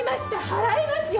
払いますよ！